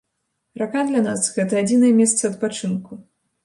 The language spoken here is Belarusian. Рака для нас, гэта адзінае месца адпачынку.